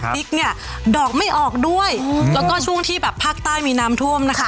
พริกเนี่ยดอกไม่ออกด้วยแล้วก็ช่วงที่แบบภาคใต้มีน้ำท่วมนะคะ